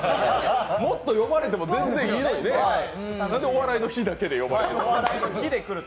もっと呼ばれても全然いいのにね、なんで「お笑いの日」だけで来る？